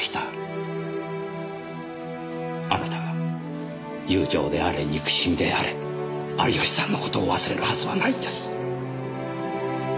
あなたが友情であれ憎しみであれ有吉さんのことを忘れるはずはないんです！